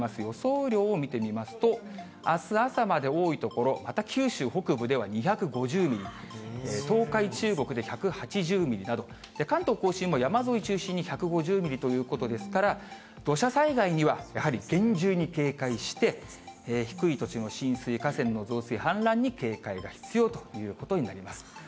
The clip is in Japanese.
雨量を見てみますと、あす朝まで多い所、また九州北部では２５０ミリ、東海、中国で１８０ミリなど、関東甲信も山沿い中心に１５０ミリということですから、土砂災害にはやはり厳重に警戒して、低い土地の浸水、河川の増水、氾濫に警戒が必要ということになります。